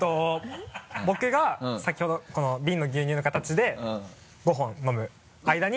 僕が先ほどビンの牛乳の形で５本飲む間に。